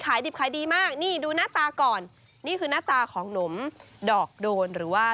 ขายดิบขายดีมากนี่ดูหน้าตาก่อนนี่คือหน้าตาของหนมดอกโดนหรือว่า